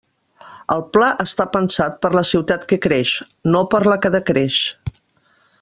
El pla està pensat per a la ciutat que creix, no per a la que decreix.